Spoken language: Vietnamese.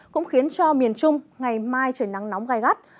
cũng khiến cho miền trung ngày mai trời nắng nóng gai gắt